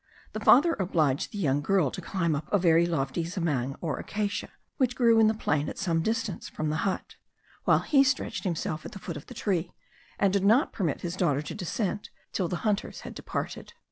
The father obliged the young girl to climb up a very lofty zamang or acacia, which grew in the plain at some distance from the hut, while he stretched himself at the foot of the tree, and did not permit his daughter to descend till the hunters had departed.